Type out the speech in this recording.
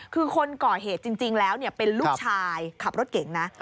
คือคนก่อเหตุจริงแล้วเป็นลูกชายขับรถเก่งนะ